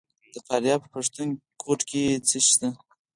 د فاریاب په پښتون کوټ کې څه شی شته؟